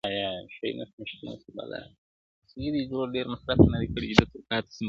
ارغنداو به غاړي غاړي را روان سي!!